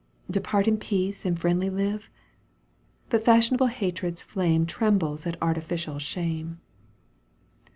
Depart in peace and friendly live ? But fashionable hatred's flame Trembles at artificial shame.